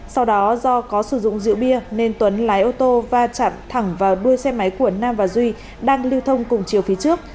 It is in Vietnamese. sau đó do có sử dụng rượu bia nên tuấn lái ô tô va chạm thẳng vào đuôi xe máy của nam và duy đang lưu thông cùng chiều phía trước